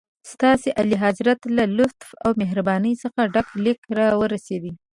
ستاسي اعلیحضرت له لطف او مهربانۍ څخه ډک لیک راورسېد.